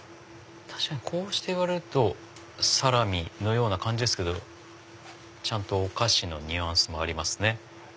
確かにこうして言われるとサラミのような感じですけどちゃんとお菓子のニュアンスもありますね。